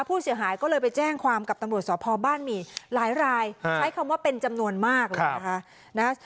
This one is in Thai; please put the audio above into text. ผู้เสียหายก็เลยไปแจ้งความกับตำรวจสพบ้านหมี่หลายรายใช้คำว่าเป็นจำนวนมากเลยนะคะ